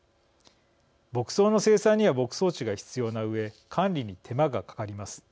牧草の生産には牧草地が必要なうえ管理に手間がかかります。